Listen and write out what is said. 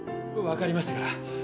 分かりましたから。